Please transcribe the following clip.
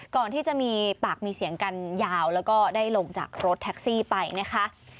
ก่อนที่จะมีปากมีเสียงกันยาวแล้วก็ได้ลงจากรถแท็กซี่ไปนะคะ